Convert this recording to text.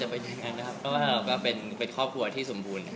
เพราะเราก็เป็นครอบครัวที่สมบูรณ์